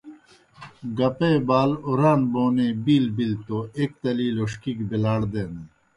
گپے بال اُران بونے بِیل بِلیْ توْ ایْک تلی لوݜکی گہ بیلاڑ دینَن۔